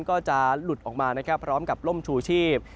ก็จะหลุดออกมาพร้อมกับล่มชูชีพ